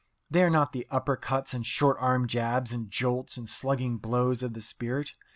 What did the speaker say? They are not the upper cuts and short arm jabs and jolts and slugging blows of the spirit.